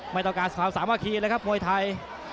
ไม่ต้องการความสามัคคีเลยครับมวยไทย